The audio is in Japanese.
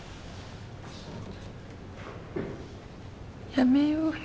やめようよ。